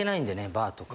バーとか。